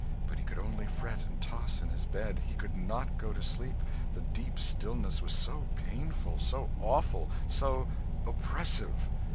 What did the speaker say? But he could only fret and toss in his bed; he could not go to sleep, the deep stillness was so painful, so awful, so oppressive.